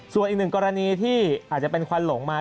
ส่วนอีกหนึ่งกรณีที่อาจจะเป็นควันหลงมา